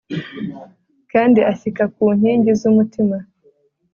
kandi ashyika ku nkingi z'umutima